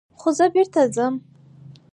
خو زه بېرته ځم.